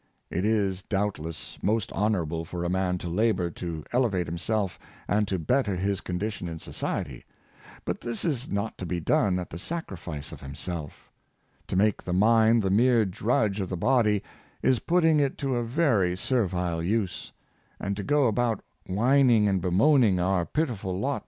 It is doubtless most honorable for a man to labor to elevate himself, and to better his con dition in society, but this is not to be done at the sac rifice of himself To make the mind the mere drudge of the body, is putting it to a very servile use; and to go about whining and bemoaning our pitiful lot be Pursuit of Pleasure.